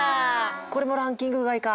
これもランキングがいか。